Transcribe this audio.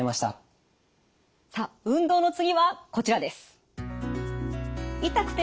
さあ運動の次はこちらです。